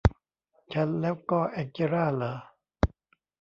ฉันแล้วก็แองเจล่าหรอ